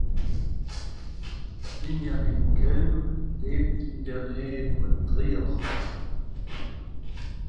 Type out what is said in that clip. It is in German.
Benjamin Kelm lebt in der Nähe von Trier.